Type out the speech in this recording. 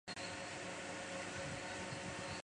佛理碘泡虫为碘泡科碘泡虫属的动物。